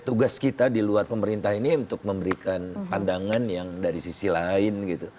tugas kita di luar pemerintah ini untuk memberikan pandangan yang dari sisi lain gitu